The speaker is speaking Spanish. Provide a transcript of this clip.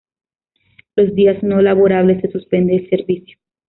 Los días no laborables se suspende el servicio.